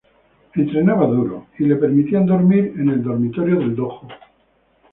Él entrenaba duro y le permitían dormir en el dormitorio del dojo.